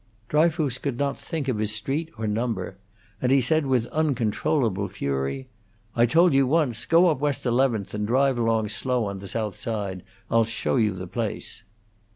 Dryfoos could not think of his street or number, and he said, with uncontrollable fury: "I told you once! Go up to West Eleventh, and drive along slow on the south side; I'll show you the place."